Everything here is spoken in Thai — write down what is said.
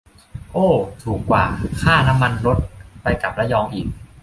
โอ้ ถูกกว่าค่าน้ำมันรถ ไปกลับระยองอีก